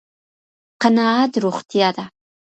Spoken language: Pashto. قناعت روغتيا ده